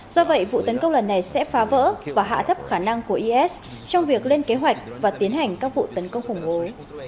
do vậy vụ tấn công lần này sẽ phá vỡ và hạ thấp khả năng của is trong việc lên kế hoạch và tiến hành các vụ tấn công khủng bố